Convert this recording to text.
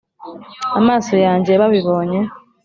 Amaso yanjye babibonye